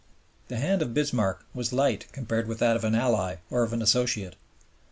The hand of Bismarck was light compared with that of an Ally or of an Associate.